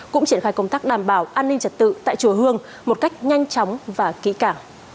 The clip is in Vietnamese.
cũng triển khai công tác đảm bảo an ninh trật tự tại chùa hương một cách nhanh chóng và kỹ cả